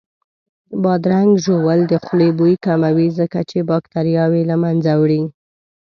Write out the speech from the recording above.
بادرنګ ژوول د خولې بوی کموي ځکه چې باکتریاوې له منځه وړي